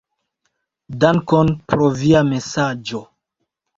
Dankon pro via mesaĝo.